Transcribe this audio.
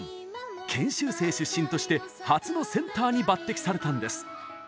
研修生出身として初のセンターに抜てきされたんです。